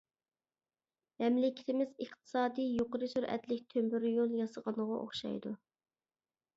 مەملىكىتىمىز ئىقتىسادى يۇقىرى سۈرئەتلىك تۆمۈريول ياسىغانغا ئوخشايدۇ.